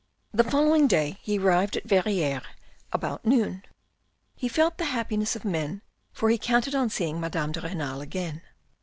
The following day he arrived at Verrieres about noon. He felt the happiest of men for he counted on seeing Madame de Renal again.